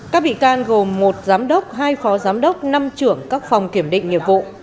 các bị can gồm một giám đốc hai phó giám đốc năm trưởng các phòng kiểm định nghiệp vụ